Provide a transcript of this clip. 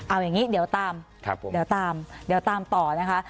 เอาอย่างนี้เดี๋ยวตามต่อนะคะ